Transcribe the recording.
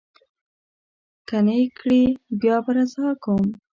که نه یې کړي، بیا به رضا کوم.